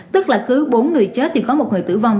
tức là cứ bốn người chết thì có một người tử vong